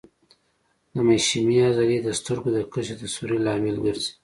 د مشیمیې عضلې د سترګو د کسي د سوري لامل ګرځي.